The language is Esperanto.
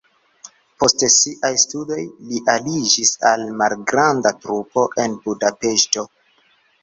Post siaj studoj li aliĝis al malgranda trupo en Budapeŝto.